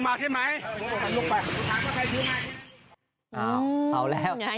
อ้าวเอาแล้ว